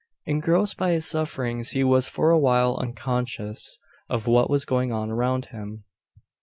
Engrossed by his sufferings, he was for a while unconscious of what was going on around him.